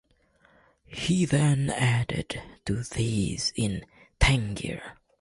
He then added to these in Tangier.